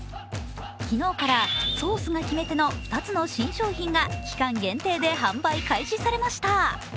昨日からソースが決め手の２つの新商品が期間限定で販売開始されました。